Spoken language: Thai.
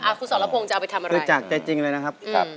คุณสรพงศ์จะเอาไปทำอะไรบริจาคใจจริงเลยนะครับครับ